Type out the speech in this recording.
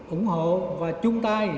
ủng hộ và chung tay